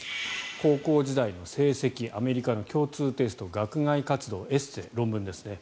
高校時代の成績共通テスト学外活動、エッセー、論文ですね